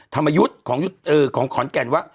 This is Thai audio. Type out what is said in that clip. ธรรมยุตของขอนแก่นวะ